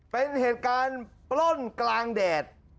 เป็นเหตุการณ์ปล้นกลางแดด